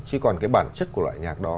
chứ còn cái bản chất của loại nhạc đó